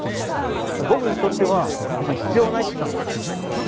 「僕にとっては別に必要ない」っつったんですよ。